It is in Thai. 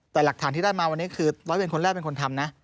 แต่หลักฐานที่ได้มาวันนี้คือร้อยเวรคนแรกเป็นคนทำนะ